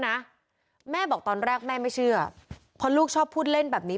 นะแม่บอกตอนแรกแม่ไม่เชื่อเพราะลูกชอบพูดเล่นแบบนี้